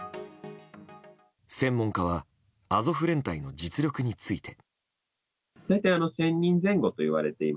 専門家はアゾフ連隊の実力について。